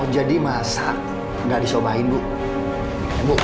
jadi masak nggak disobain bu